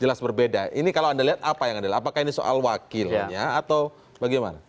apakah ini soal wakilnya atau bagaimana